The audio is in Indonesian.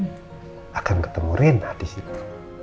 mungkin akan ketemu rena di situ